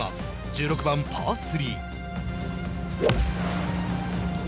１６番パー３。